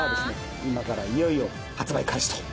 今からいよいよ発売開始と。